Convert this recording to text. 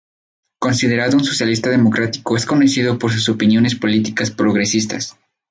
Considerado un socialista democrático, es conocido por sus opiniones políticas progresistas.